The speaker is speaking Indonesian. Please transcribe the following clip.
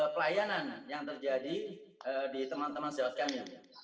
pelayanan yang terjadi di teman teman sejawat kami